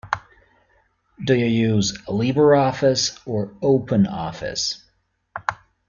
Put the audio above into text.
Do you use LibreOffice or OpenOffice?